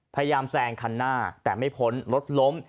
พยายามแซงคันหน้าแต่ไม่พ้นรถล้ม